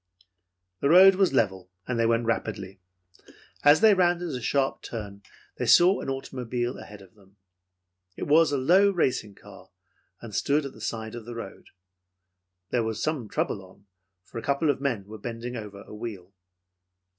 The road was level, and they went rapidly. As they rounded a sharp turn, they saw an automobile ahead of them. It was a low racing car and stood at the side of the road. There was some trouble on, for a couple of men were bending over a wheel.